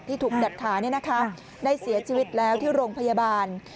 ถูกดัดขาได้เสียชีวิตแล้วที่โรงพยาบาล